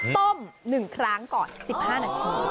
ต้ม๑ครั้งก่อน๑๕นาที